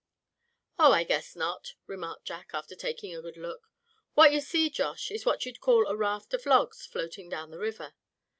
"Oh! I guess not," remarked Jack, after taking a good look, "what you see, Josh, is what you'd call a raft of logs floating down the river.